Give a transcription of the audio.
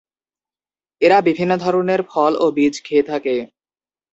এরা বিভিন্ন ধরনের ফল ও বীজ খেয়ে থাকে।